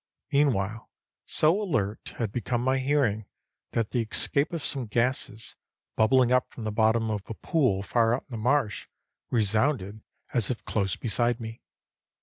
Meanwhile, so alert had become my hearing that the escape of some gases, bubbling up from the bottom of a pool far out in the marsh, resounded as if close beside me.